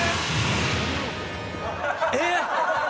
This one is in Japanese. えっ⁉